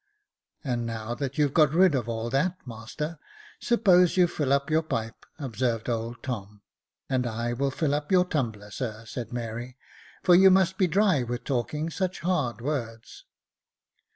^" And now that you've got rid of all that, master, suppose you fill up your pipe," observed old Tom. " And I will fill up your tumbler, sir," said Mary ;for you must be dry with talking such hard words."